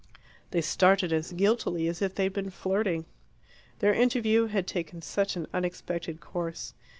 They started as guiltily as if they had been flirting. Their interview had taken such an unexpected course.